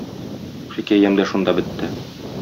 Хикәям дә шунда бетте.